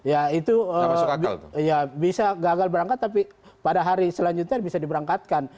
ya itu ya bisa gagal berangkat tapi pada hari selanjutnya bisa diberangkatkan